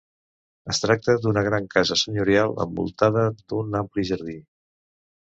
Es tracta d'una gran casa senyorial envoltada d'un ampli jardí.